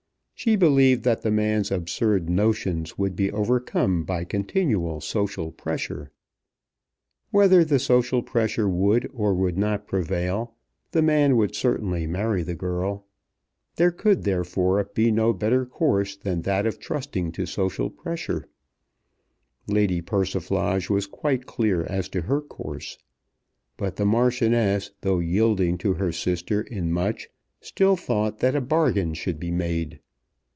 She believed that the man's absurd notions would be overcome by continual social pressure. Whether the social pressure would or would not prevail, the man would certainly marry the girl. There could, therefore, be no better course than that of trusting to social pressure. Lady Persiflage was quite clear as to her course. But the Marchioness, though yielding to her sister in much, still thought that a bargain should be made.